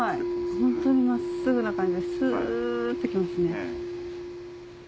ホントに真っすぐな感じスっていきますね。